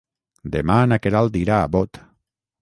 Demà na Queralt irà a Bot.